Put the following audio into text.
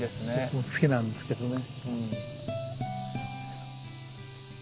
僕も好きなんですけどね。